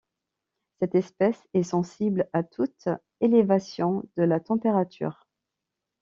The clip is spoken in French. Cette espèce est sensible à toute élévation de la température.